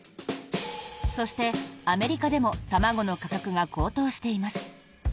そして、アメリカでも卵の価格が高騰しています。